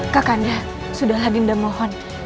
kak kanda sudah lah dinda mohon